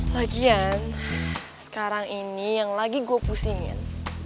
lagian sekarang ini yang lagi gue pusingin